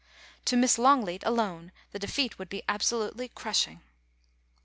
To Miss Longleat alone the defeat would be absolutely crushing.